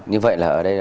như vậy là ở đây